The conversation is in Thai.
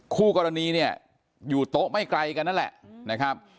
คู่กรณีเนี่ยอยู่โต๊ะไม่ไกลกันนั่นแหละนะครับ